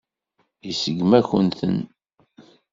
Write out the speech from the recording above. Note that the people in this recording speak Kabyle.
Iseggem-akent-ten.